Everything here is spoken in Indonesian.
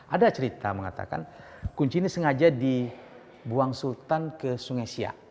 ada cerita mengatakan kunci ini sengaja dibuang sultan ke sungai siak